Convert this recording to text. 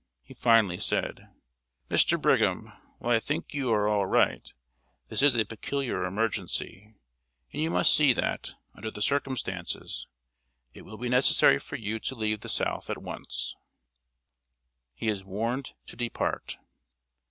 He finally said: "Mr. Brigham, while I think you are all right, this is a peculiar emergency, and you must see that, under the circumstances, it will be necessary for you to leave the South at once." [Sidenote: HE IS WARNED TO DEPART.